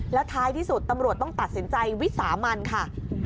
แล้วท้ายที่สุดตำรวจต้องตัดสินใจวิสามันค่ะ